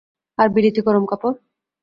আর বিলিতি গরম কাপড়?